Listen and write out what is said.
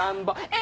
え！